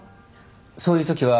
そういうときは。